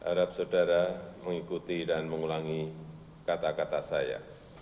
harap saudara mengikuti dan mengulangi kata kata saya